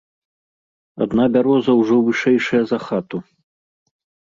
Адна бяроза ўжо вышэйшая за хату.